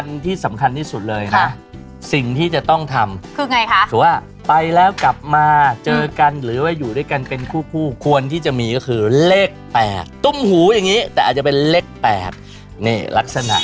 ที่สำคัญที่สุดเลยนะสิ่งที่จะต้องทำคือไงคะคือว่าไปแล้วกลับมาเจอกันหรือว่าอยู่ด้วยกันเป็นคู่คู่ควรที่จะมีก็คือเลข๘ตุ้มหูอย่างนี้แต่อาจจะเป็นเลข๘นี่ลักษณะ